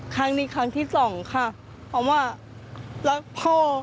ครั้งนี้ครั้งที่สองค่ะเพราะว่ารักพ่อ